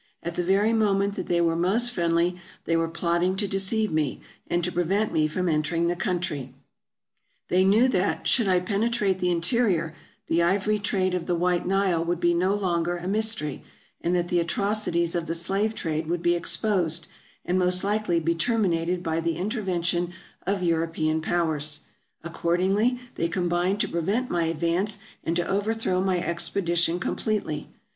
At the very moment that they were most friendly, they were plotting to deceive me, and to prevent me from entering the country. They knew that, should I penetrate the in terior, the ivory trade of the White Nile would be no longer a mystery, and that the atrocities of the slave trade would be exposed, and most likely be terminated by the interven tion of European Powers ; accordingly they combined to prevent my advance, and to overthrow my expedition com pletely.